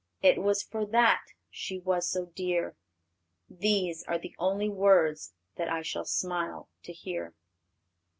It was for that she was so dear.' These are the only words that I shall smile to hear."